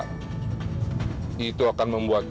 begitu mana biar bebas pak